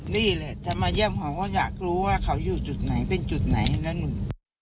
นี่แหละจะมาเยี่ยมเขาก็อยากรู้ว่าเขาอยู่จุดไหนเป็นจุดไหนนะหนุ่ม